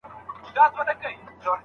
ټنبلي د فقر لویه ریښه ده.